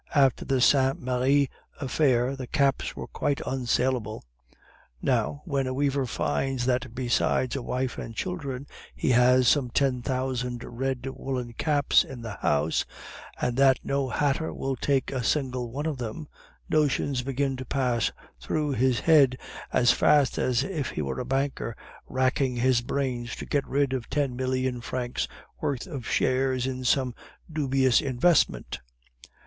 After the Saint Merri affair the caps were quite unsalable. Now, when a weaver finds that besides a wife and children he has some ten thousand red woolen caps in the house, and that no hatter will take a single one of them, notions begin to pass through his head as fast as if he were a banker racking his brains to get rid of ten million francs' worth of shares in some dubious investment.